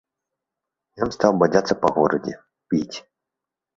Ён стаў бадзяцца па горадзе, піць.